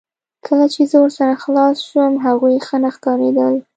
کله چې زه ورسره خلاص شوم هغوی ښه نه ښکاریدل